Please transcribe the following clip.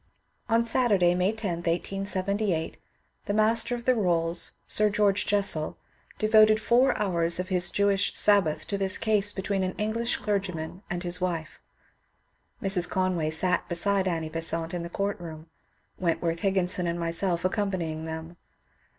On Saturday, May 10, 1878, the Master of the Rolls, Sir Oeorge Jessel, devoted four hours of his Jewish Sabbath to this case between an English clergyman and his wife. Mrs. Conway sat beside Annie Besant in the court room, Wentworth Higginson and myself accom panying them.